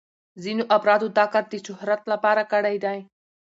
ځینو افرادو دا کار د شهرت لپاره کړی دی.